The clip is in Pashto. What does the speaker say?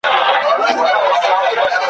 یو او مهم علت یې دا دی ,